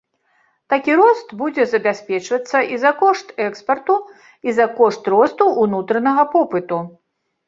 Такі рост будзе забяспечвацца і за кошт экспарту, і за кошт росту ўнутранага попыту.